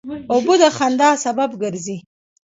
اوبه د خندا سبب ګرځي.